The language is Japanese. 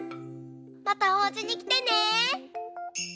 またおうちにきてね。